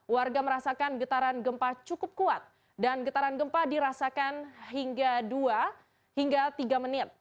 warga merasakan getaran gempa cukup kuat dan getaran gempa dirasakan hingga dua hingga tiga menit